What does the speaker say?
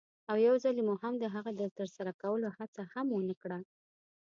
او یوځلې مو هم د هغه د ترسره کولو هڅه هم ونه کړه.